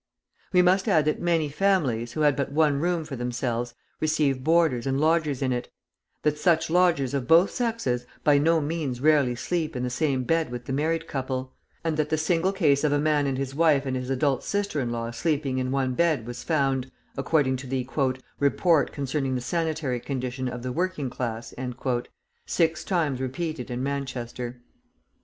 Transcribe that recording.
We must add that many families, who had but one room for themselves, receive boarders and lodgers in it, that such lodgers of both sexes by no means rarely sleep in the same bed with the married couple; and that the single case of a man and his wife and his adult sister in law sleeping in one bed was found, according to the "Report concerning the sanitary condition of the working class," six times repeated in Manchester.